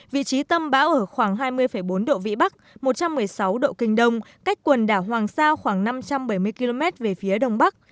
vị trí tâm bão ở khoảng hai mươi bốn độ vĩ bắc một trăm một mươi sáu độ kinh đông cách quần đảo hoàng sa khoảng năm trăm bảy mươi km về phía đông bắc